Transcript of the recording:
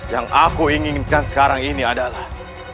yang aku inginkan sekarang ini adalah